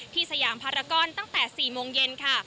สยามภารกรตั้งแต่๔โมงเย็นค่ะ